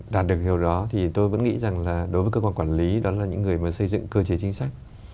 đạt được điều đó thì tôi vẫn nghĩ rằng là đối với cơ quan quản lý đó là những người mà xây dựng cơ chế chính sách